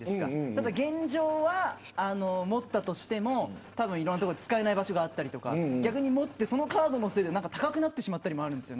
ただ、現状は持ったとしても使えない場所があったりとか持って、そのカードのせいで高くなってしまったりもします。